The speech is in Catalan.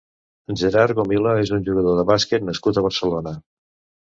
Gerard Gomila és un jugador de bàsquet nascut a Barcelona.